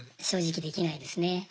正直できないですね。